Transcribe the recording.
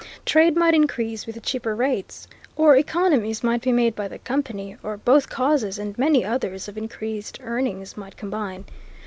Trade might increase with cheaper rates, or economies might be made by the company, or both causes and many others of increased earnings might combine.